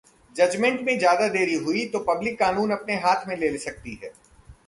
'judgement में ज्यादा देरी हुई तो पब्लिक कानून अपने हाथ में ले सकती है'